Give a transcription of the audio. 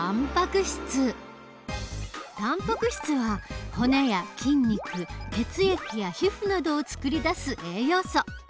たんぱく質は骨や筋肉血液や皮膚などをつくり出す栄養素。